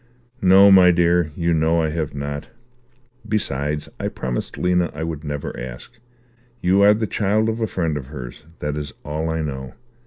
"No, my dear, you know I have not. Besides, I promised Lena I would never ask. You are the child of a friend of hers. That is all I know.